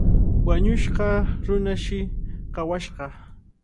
Wañushqa runashi kawashqa.